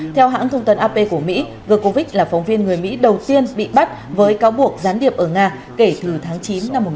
theo hãng thông tấn ap của mỹ govic là phóng viên người mỹ đầu tiên bị bắt với cáo buộc gián điệp ở nga kể từ tháng chín năm một nghìn chín trăm bảy mươi